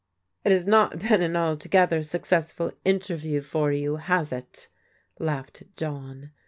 " It has not been an altogether stficcessf ul interview for you, has it? " laughed John.